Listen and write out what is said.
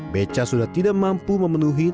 beca sudah tidak mampu memenuhi